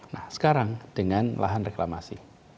nah sekarang dengan lahan reklamasi